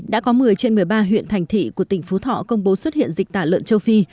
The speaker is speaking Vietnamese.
đã có một mươi trên một mươi ba huyện thành thị của tỉnh phú thọ công bố xuất hiện dịch tả lợn châu phi